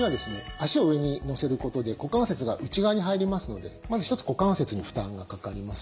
足を上にのせることで股関節が内側に入りますのでまず一つ股関節に負担がかかります。